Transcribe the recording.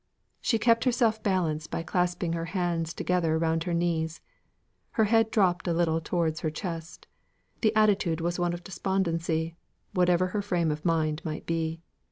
She kept herself balanced by clasping her hands together round her knees; her head dropped a little towards her chest; the attitude was one of despondency, whatever her frame of mind might be.